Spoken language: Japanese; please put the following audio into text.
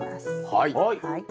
はい。